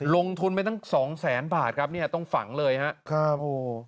ลงทุนไปตั้ง๒แสนบาทครับตรงฝังเลยครับ